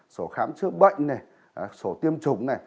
sổ khám chữa bệnh này sổ tiêm chủng này